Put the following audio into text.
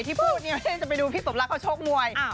ที่พูดเนี่ยไม่ใช่จะไปดูพี่สมรักเขาโชคมวย